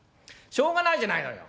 しょうがないじゃないのよ。